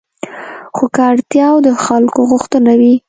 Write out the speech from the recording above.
خو که اړتیا او د خلکو غوښتنه وي